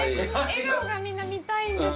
笑顔がみんな見たいんですよ